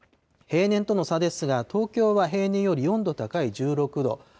平年との差ですが、東京は平年より４度高い１６度。